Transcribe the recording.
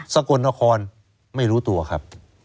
กลนครไม่รู้ตัวครับ